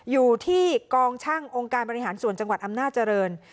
อยู่ที่กองช่างองค์การบริหารส่วนจังหวัดอำนาจริง